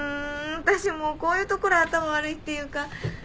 私もうこういうところ頭悪いっていうか。